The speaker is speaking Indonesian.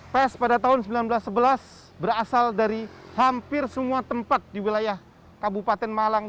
pes pada tahun seribu sembilan ratus sebelas berasal dari hampir semua tempat di wilayah kabupaten malang